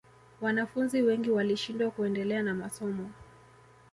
wanafunzi wengi walishindwa kuendelea na masomo